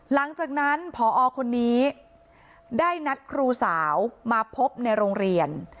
หลังจากนั้นพอคนนี้ได้นัดครูสาวมาพบในโรงเรียน